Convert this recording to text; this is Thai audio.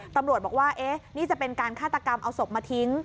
ตำรวจบอกว่านี่จะเป็นการฆาตกรรมเอาศพมาทิ้ง